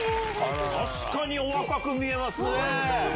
確かにお若く見えますねぇ！